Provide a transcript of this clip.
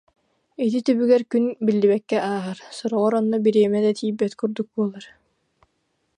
Ити түбүгэр күн биллибэккэ ааһар, сороҕор онно бириэмэ да тиийбэт курдук буолар